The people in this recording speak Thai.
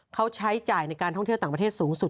เขาใช้จ่ายในการท่องเที่ยวต่างประเทศสูงสุด